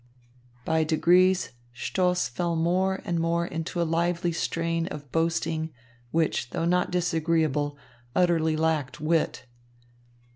By degrees Stoss fell more and more into a lively strain of boasting, which, though not disagreeable, utterly lacked wit.